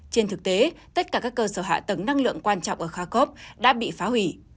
trên thực tế tất cả các cơ sở hạ tầng năng lượng quan trọng ở kharkov đã bị phá hủy